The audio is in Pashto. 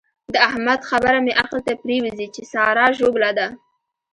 د احمد خبره مې عقل ته پرېوزي چې سارا ژوبله ده.